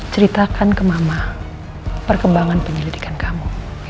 ceritakan ke mama perkembangan penyelidikan kamu